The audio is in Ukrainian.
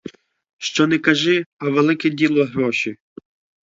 Що не кажи, а велике діло гроші!